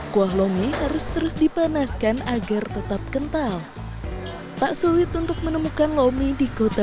kuah lomi harus terus dipanaskan agar tetap kental tak sulit untuk menemukan lomi di kota